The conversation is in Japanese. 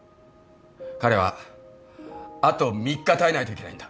彼はあと３日耐えないといけないんだ。